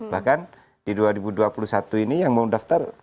bahkan di dua ribu dua puluh satu ini yang mau daftar